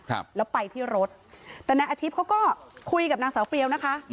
ครับแล้วไปที่รถแต่นายอาทิตย์เขาก็คุยกับนางสาวเฟียวนะคะอืม